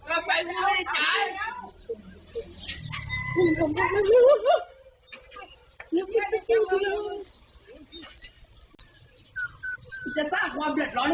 อาหาร้ายเลี้ยนเอ้าโชคตาไอ้เด็ก